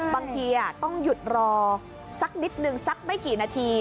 บางทีต้องหยุดรอสักนิดนึงสักไม่กี่นาที